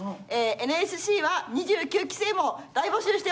ＮＳＣは２９期生も大募集しております。